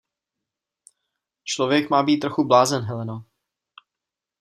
Člověk má být trochu blázen, Heleno.